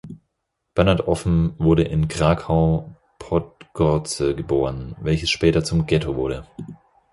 Bernard Offen wurde in Krakau-Podgorze geboren, welches später zum Ghetto wurde.